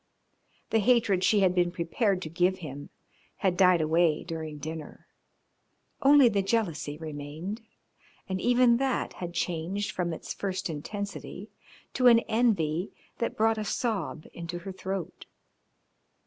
The hatred she had been prepared to give him had died away during dinner only the jealousy remained, and even that had changed from its first intensity to an envy that brought a sob into her throat.